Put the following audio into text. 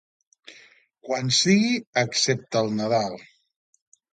Quan sigui excepte al Nadal.